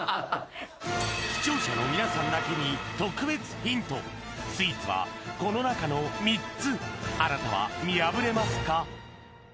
視聴者の皆さんだけに特別ヒントスイーツはこの中の３つあなたは見破れますか？